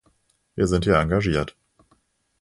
Wir sind hier engagiert.